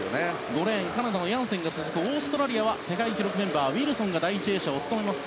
５レーン、カナダのヤンセンが続いてオーストラリアは世界記録メンバーウィルソンが第１泳者。